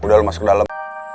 udah lo masuk ke dalam